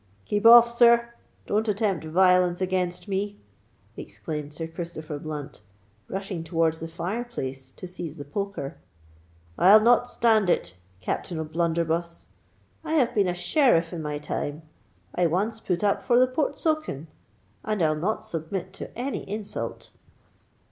"Keep off, sir! don't attempt violence against me!" exclaimed Sir Christopher Blunt, rushing towards the fire place to seize the poker. "I'll not stand it, Captain O'Blunderbuss—I have been a Sheriff in my time—I once put up for Portsoken—and I'll not submit to any insult."